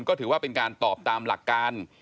ก็ถือว่าเป็นการตอบตามหลักการ